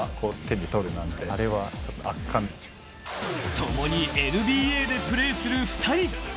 ともにＮＢＡでプレーする２人。